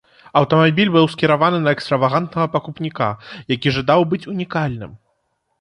Аўтамабіль быў скіраваны на экстравагантнага пакупніка, які жадаў быць унікальным.